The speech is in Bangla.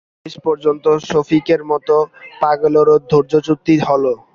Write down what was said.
শেষ পর্যন্ত সফিকের মতো পাগলেরও ধৈর্যচ্যুতি হল।